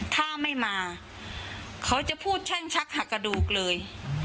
ถ้าไม่มาเขาจะพูดแช่งชักหักกระดูกเลย